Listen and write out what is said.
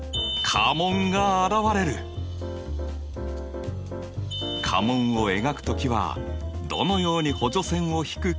家紋を描く時はどのように補助線を引くかがとても重要なんだ。